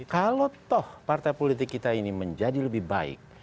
kalau toh partai politik kita ini menjadi lebih baik